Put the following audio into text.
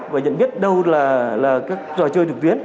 và nhận biết đâu là các trò chơi trực tuyến